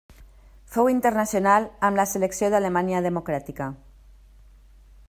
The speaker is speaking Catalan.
Fou internacional amb la selecció d'Alemanya Democràtica.